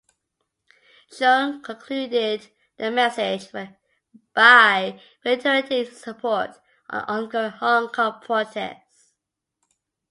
Cheung concluded the message by reiterating his support for the ongoing Hong Kong protests.